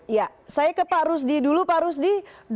ya saya ke pak rusdi dulu pak rusdi